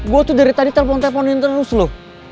gue tuh dari tadi telpon telponin terus loh